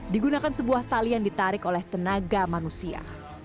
digunakan sebuah tali yang ditarik oleh tenaga manusia